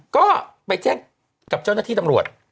ก็ไปแจ้งกับเจ้าหน้าที่ตำรวจ